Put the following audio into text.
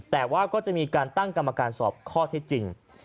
แต่ว่าก็จะมีการตั้งกรรมการสอบข้อที่จริง